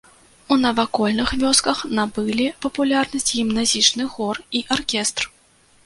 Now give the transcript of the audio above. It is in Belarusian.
У навакольных вёсках набылі папулярнасць гімназічны хор і аркестр.